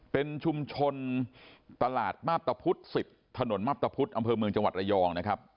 เป็นชุมชนตลาดมาพตะพุธ๑๐ถนนมาพตะพุธอำเภอเมืองจังหวัดระยองนะครับ